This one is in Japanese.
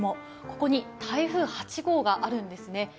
ここに台風８号があるんですね。